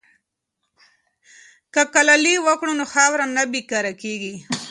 که کلالي وکړو نو خاوره نه بې کاره کیږي.